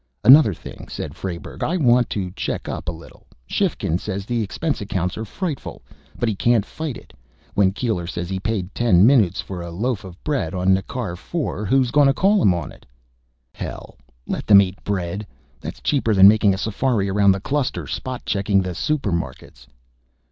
"Another thing," said Frayberg, "I want to check up a little. Shifkin says the expense accounts are frightful. But he can't fight it. When Keeler says he paid ten munits for a loaf of bread on Nekkar IV, who's gonna call him on it?" "Hell, let him eat bread! That's cheaper than making a safari around the cluster, spot checking the super markets."